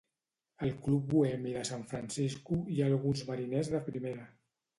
Al Club bohemi de San Francisco hi ha alguns mariners de primera.